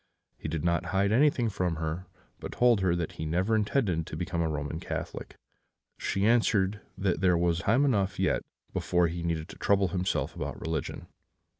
He did not hide anything from her, but told her that he never intended to become a Roman Catholic. She answered that there was time enough yet before he need trouble himself about religion.